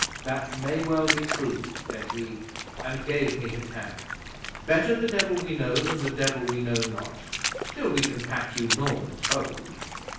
"That may well be true," said he, and gave me his hand. "Better the devil we know than the devil we know not, till we can pack you Normans home."